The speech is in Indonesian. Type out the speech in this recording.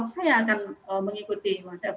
saya akan mengikuti